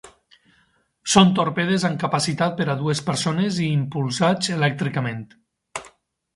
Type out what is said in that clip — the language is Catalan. Són torpedes amb capacitat per a dues persones i impulsats elèctricament.